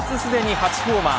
８ホーマー